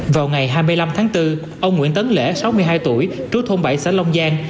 vào ngày hai mươi năm tháng bốn ông nguyễn tấn lễ sáu mươi hai tuổi trú thôn bảy xã long giang